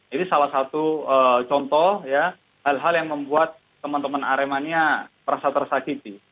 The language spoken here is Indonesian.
ini salah satu contoh ya hal hal yang membuat teman teman aremania merasa tersakiti